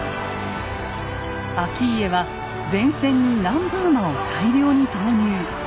顕家は前線に南部馬を大量に投入。